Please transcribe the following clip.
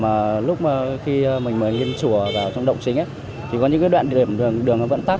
về các nghiệm lúc mà khi mình mở nghiệm chùa vào trong động chính thì có những đoạn điểm đường vẫn tắt